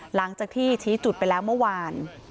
หลังจากที่ชี้จุดไปแล้วเมื่อวาน